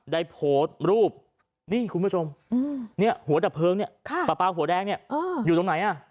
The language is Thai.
ได้โพสต์รูปนี่คุณผู้ชมหัวแตะเพิ้งเนี่ยปะปะหัวแดงเนี่ยอยู่ตรงไหนอ่ะ